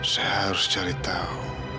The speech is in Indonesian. saya harus cari tahu